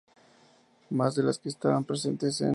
Más de las que estaban presentes en Bannockburn?!